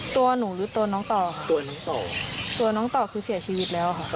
ตัวหนูหรือตัวน้องต่อค่ะตัวน้องต่อตัวน้องต่อคือเสียชีวิตแล้วค่ะ